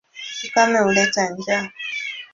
Ukame huleta njaa.